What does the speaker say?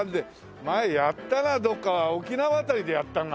前やったなどっか沖縄辺りでやったのか。